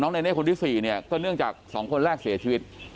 ในเน่คนที่๔เนี่ยก็เนื่องจาก๒คนแรกเสียชีวิต